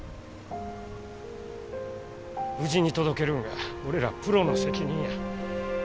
無事に届けるんが俺らプロの責任や。